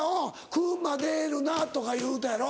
熊出るなとかいう歌やろ？